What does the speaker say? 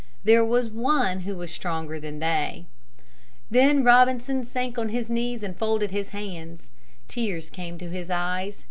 There was One who was stronger than they. Then Robinson sank on his knees and folded his hands. Tears came to his eyes.